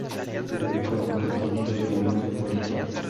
Pero con contenido de humor fuerte.